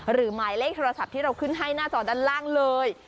หมายเลขโทรศัพท์ที่เราขึ้นให้หน้าจอด้านล่างเลย